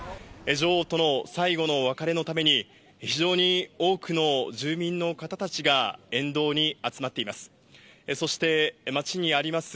女王との最後の別れのために、非常に多くの住民の方たちが沿道に集まっています。